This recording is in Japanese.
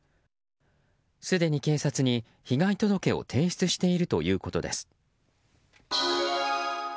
すでに警察に被害届を提出しているということです。